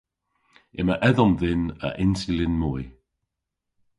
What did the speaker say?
Yma edhom dhyn a insulin moy.